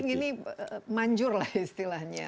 yang penting ini manjur lah istilahnya